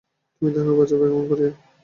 তুমি তাহাকে বাঁচাইবে কেমন করিয়া।